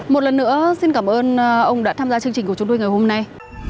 một lần nữa xin cảm ơn ông đã tham gia chương trình của chúng tôi ngày hôm nay